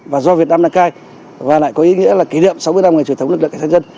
và do việt nam đăng cai và lại có ý nghĩa là kỷ niệm sáu mươi năm người trưởng thống lực lượng cảnh sát nhân